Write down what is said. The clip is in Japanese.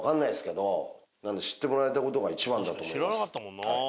知らなかったもんな。